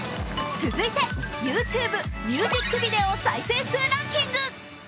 続いてＹｏｕＴｕｂｅミュージックビデオ再生数ランキング。